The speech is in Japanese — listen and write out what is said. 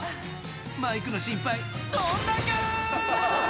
マイクの心配、どんだけぇー！